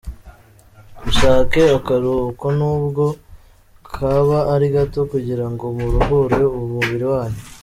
Mushake akaruhuko n’ubwo kaba ari gato kugira ngo muruhure umubiri wanyu.